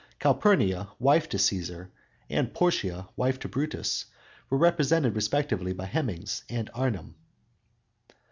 Calphurnia, wife to Cæsar, and Portia, wife to Brutus, were represented respectively by Hemmings and Arnim.